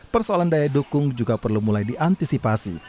persoalan daya dukung juga perlu mulai diantisipasi